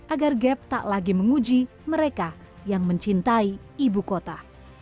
agar gap tak lagi menguji mereka yang mencintai ibu kota